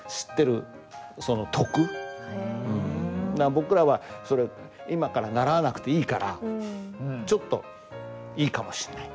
僕らはそれを今から習わなくていいからちょっといいかもしんない。